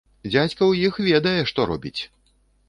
Дзядзька ў іх ведае, што робіць!